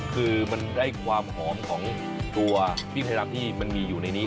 คือมันได้ความหอมของตัวพริกไทยดำที่มันมีอยู่ในนี้